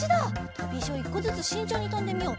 とびいしを１こずつしんちょうにとんでみよう。